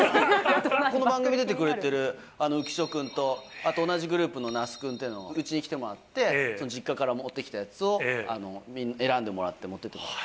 この番組出てくれてる浮所君と、あと同じグループの那須君っていうのにうちに来てもらって、実家から持ってきたやつを選んでもらって、持っててもらいました。